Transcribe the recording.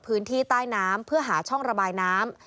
พื้นที่ใต้น้ำเพื่อหาช่องระบายน้ำ